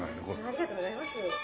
ありがとうございます。